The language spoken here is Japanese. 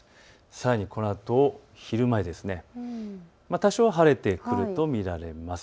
さらにこのあと昼前、多少晴れてくると見られます。